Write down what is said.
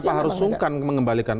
kenapa harus sungkan mengembalikan